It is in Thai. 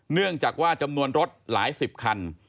เนื่องจากว่าจำนวนรถหลายสิบคัน